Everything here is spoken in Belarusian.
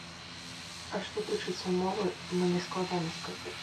А што тычыцца мовы, мне складана сказаць.